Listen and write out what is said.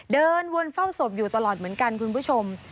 เดินวนเฝ้าศพอยู่ตลอดเหมือนกันคุณผู้ชม